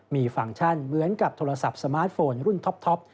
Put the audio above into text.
มีฟังก์ชั่นเหมือนกับโทรศัพท์สมาร์ทโฟนรุ่นท็อป